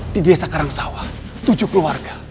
di desa karangsawah tujuh keluarga